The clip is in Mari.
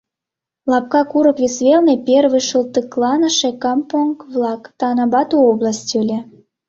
Лапка курык вес велне первый шылтыкланыше кампонг-влакан Танабату область ыле.